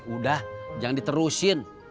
udah jangan diterusin